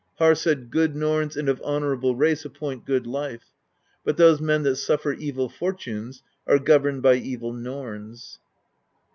Harr said: "Good norns and of honorable race appoint good life; but those men that sufFer evil for tunes are governed by evil norns."